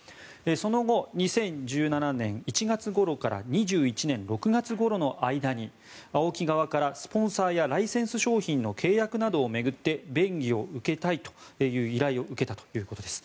その後、２０１７年１月ごろから２１年６月ごろの間にＡＯＫＩ側からスポンサーやライセンス商品の契約などを巡って便宜を受けたいという依頼を受けたということです。